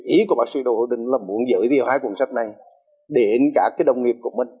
ý của bác sĩ đỗ hữu định là muốn giới thiệu hai cuốn sách này đến cả cái đồng nghiệp của mình